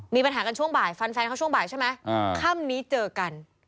มีปัญหากันช่วงบ่ายฟันแฟนเขาช่วงบ่ายใช่ไหมค่ำนี้เจอกัน